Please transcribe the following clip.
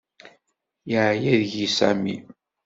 Yeɛya deg-i Sami.